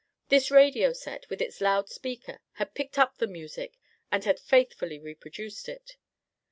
This radio set with its loud speaker had picked up the music and had faithfully reproduced it.